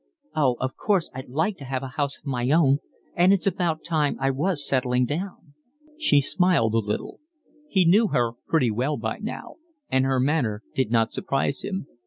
"Oh, of course I'd like to have a house of my own, and it's about time I was settling down." He smiled a little. He knew her pretty well by now, and her manner did not surprise him.